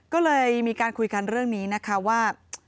ก็เลยมีการคุยกันเรื่องนี้นะคะว่า